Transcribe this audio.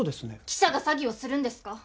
記者が詐欺をするんですか？